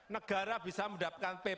negara bisa mendapatkan pajak